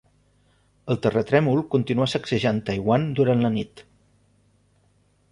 El terratrèmol continuà sacsejant Taiwan durant la nit.